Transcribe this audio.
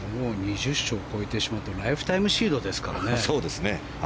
２０勝超えてしまうとライフタイムシードですからね。